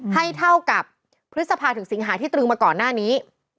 เท่ากับพฤษภาถึงสิงหาที่ตรึงมาก่อนหน้านี้